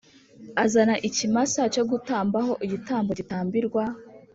Azana ikimasa cyo gutamba ho igitambo gitambirwa